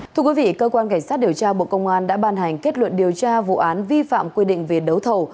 thưa quý vị cơ quan cảnh sát điều tra bộ công an đã ban hành kết luận điều tra vụ án vi phạm quy định về đấu thầu